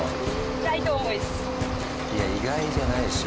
いや意外じゃないでしょ。